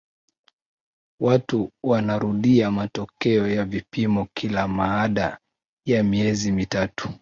watu wanarudia matokeo ya vipimo kila maada ya miezi mitatu